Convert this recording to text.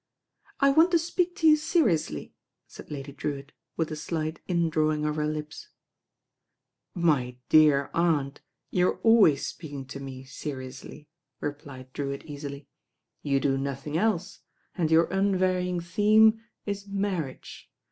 "I want to speak to you seriously," said Lady Drewitt, with a slight indrawing of her lips. "My dear aunt, you arc always speaking to me seriously," replied Drewitt easily. "You do noth ing else, and your unvarying theme is marriage.